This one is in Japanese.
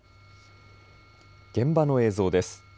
現場の映像です。